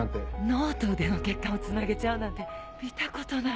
脳と腕の血管をつなげちゃうなんて見たことない。